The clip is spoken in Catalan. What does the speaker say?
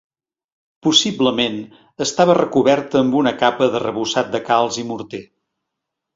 Possiblement estava recoberta amb una capa d'arrebossat de calç i morter.